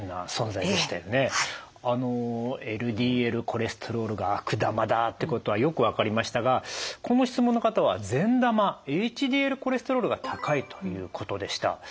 ＬＤＬコレステロールが悪玉だってことはよく分かりましたがこの質問の方は善玉ＨＤＬコレステロールが高いということでした。